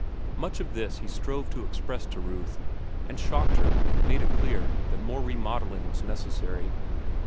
Much of this he strove to express to Ruth, and shocked her and made it clear that more remodelling was necessary.